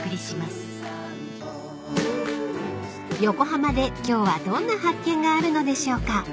［横浜で今日はどんな発見があるのでしょうか］